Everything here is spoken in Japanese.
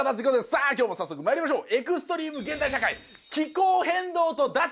さあ今日も早速まいりましょう！